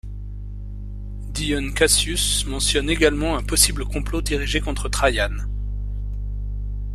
Dion Cassius mentionne également un possible complot dirigé contre Trajan.